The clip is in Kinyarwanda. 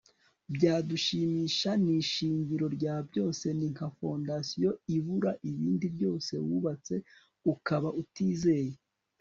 byadushimisha. ni ishingiro rya byose, ni nka fondasiyo ibura ibindi byose wubatse ukaba utizeye